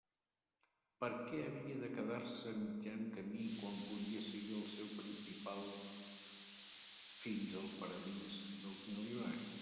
Per què havia de quedar-se a mitjan camí quan podia seguir el seu principal fins al paradís dels milionaris?